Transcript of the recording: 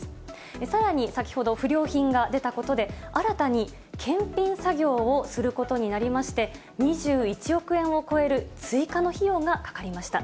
さらに、先ほど不良品が出たことで、新たに検品作業をすることになりまして、２１億円を超える追加の費用がかかりました。